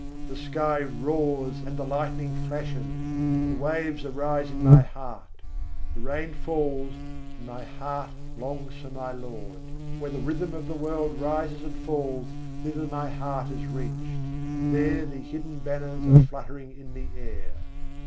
The sky roars and the lightning flashes, the waves arise in my heart, The rain falls; and my heart longs for my Lord. Where the rhythm of the world rises and falls, thither my heart has reached: There the hidden banners are fluttering in the air.